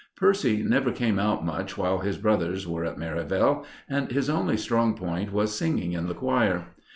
Percy never came out much while his brothers were at Merivale, and his only strong point was singing in the choir.